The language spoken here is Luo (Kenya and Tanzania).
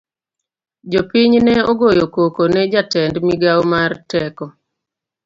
Jopiny ne ogoyo koko ne jatend migao mar teko.